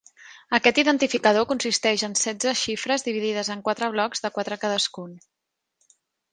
Aquest identificador consisteix en setze xifres dividides en quatre blocs de quatre cadascun.